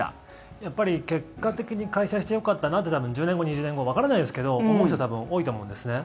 やっぱり結果的に開催してよかったなって１０年後、２０年後わからないですけど思う人は多分多いと思うんですね。